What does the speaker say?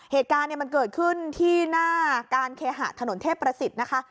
เหตุการณ์มันเกิดขึ้นที่หน้าการเคหะถนนเทพประสิทธิ์นะคะ